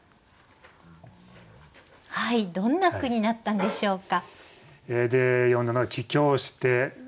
どんな句になったんでしょうか？